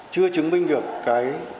chưa chứng minh được cái